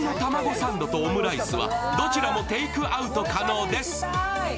サンドとオムライスはどちらもテイクアウト可能です。